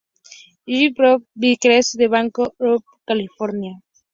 H. Frost, vicepresidente del banco Merchants National, de San Diego, California.